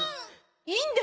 いいんだ。